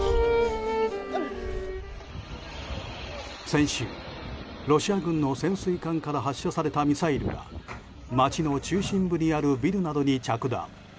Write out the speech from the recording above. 先週、ロシア軍の潜水艦から発射されたミサイルは街の中心部にあるビルなどに着弾。